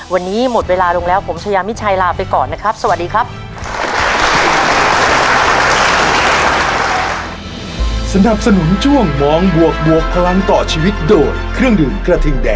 วันนี้หมดเวลาลงแล้วผมชายามิชัยลาไปก่อนนะครับสวัสดีครับ